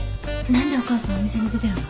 何でお母さんお店に出てるの？